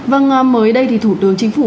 vâng mới đây thì thủ tướng chính phủ